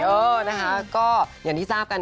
เออนะคะก็อย่างที่ทราบกัน